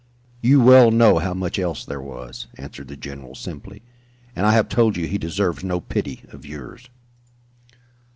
"You well know how much else there was," answered the general, simply. "And I have told you he deserves no pity of yours."